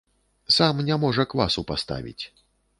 Сам не можа квасу паставіць.